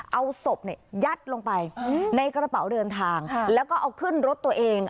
เอาศพเนี่ยยัดลงไปในกระเป๋าเดินทางแล้วก็เอาขึ้นรถตัวเอง